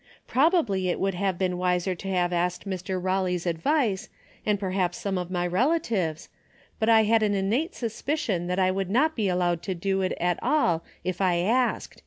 Probably it would have been wiser to have asked Mr. Pawley's advice, and perhaps some of my relatives, but I had an in nate suspicion that I would not be allowed to do it at all, if I asked.